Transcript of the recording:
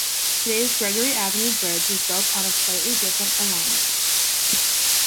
Today's Gregory Avenue Bridge was built on a slightly different alignment.